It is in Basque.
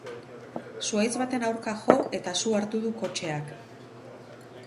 Zuhaitz baten aurka jo eta su hartu du kotxeak.